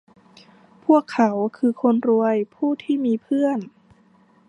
พวกเขาคือคนรวยผู้ที่มีเพื่อน